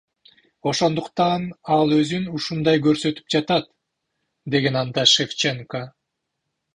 Ошондуктан ал өзүн ушундай көрсөтүп жатат, — деген анда Шевченко.